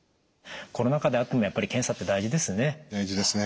コロナ禍であってもやっぱり検査って大事ですね？